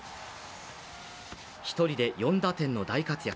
１人で４打点の大活躍。